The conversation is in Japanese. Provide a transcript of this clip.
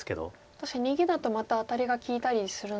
確かに逃げだとまたアタリが利いたりするので。